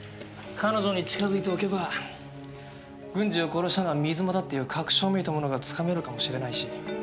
彼女に近づいておけば軍司を殺したのが水間だっていう確証めいたものがつかめるかもしれないし。